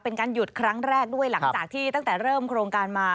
เป็นการหยุดครั้งแรกด้วยหลังจากที่ตั้งแต่เริ่มโครงการมา